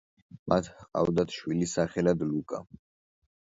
მათ ჰყავთ შვილი სახელად ლუკა.